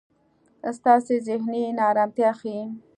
ستاسې زهني نا ارمتیا ښي.